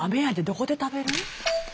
どこで食べる？